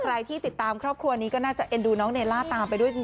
ใครที่ติดตามครอบครัวนี้ก็น่าจะเอ็นดูน้องเนล่าตามไปด้วยจริง